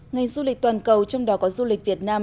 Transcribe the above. ngành du lịch toàn cầu trong đó có du lịch việt nam